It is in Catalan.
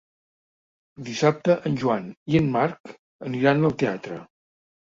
Dissabte en Joan i en Marc aniran al teatre.